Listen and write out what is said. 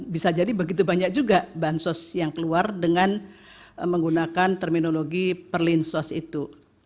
bisa jadi begitu banyak juga bansos yang keluar dengan menggunakan terminologi perlinsos itu